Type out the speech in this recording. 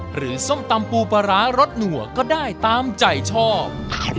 หรือส้มตำปูประหรารสหนวก็ได้ตามใจชอบ